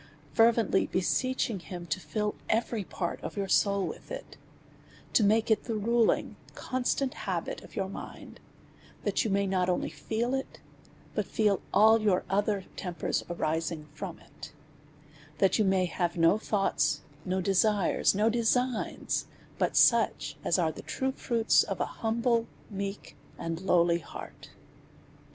Fervently beseeching him to fill every part of your soul with it, to make it the ruling, constant habit of your mind, that you may not only feel it, but feel all your other tempers arising from it ; that you may have no thoughts, no desires, no designs, but such as are the true fruits of an hum ble, meek, and lowly heart.